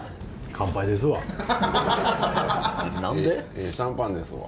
ええシャンパンですわ。